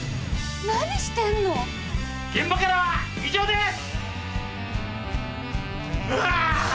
何してんの⁉現場からは以上です！